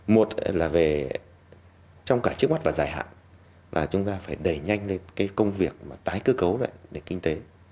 một là về trong cả trước mắt và dài hạn là chúng ta phải đẩy nhanh lên công việc tái cơ cấu lại kinh tế